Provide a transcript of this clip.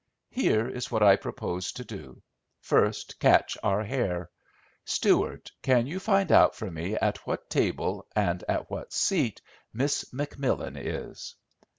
Here is what I propose to do—first catch our hare. Steward, can you find out for me at what table and at what seat Miss McMillan is?"